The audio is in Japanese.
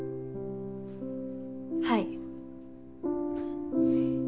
はい。